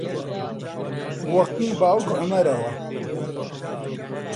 وە قنگ باوک عومەرەوە!